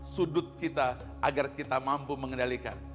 sudut kita agar kita mampu mengendalikan